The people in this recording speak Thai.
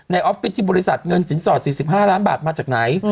ออฟฟิศที่บริษัทเงินสินสอด๔๕ล้านบาทมาจากไหน